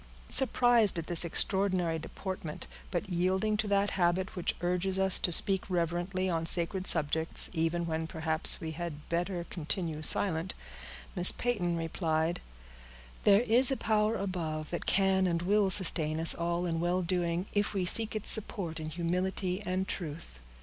'" Surprised at this extraordinary deportment, but yielding to that habit which urges us to speak reverently on sacred subjects, even when perhaps we had better continue silent, Miss Peyton replied,— "There is a Power above, that can and will sustain us all in well doing, if we seek its support in humility and truth."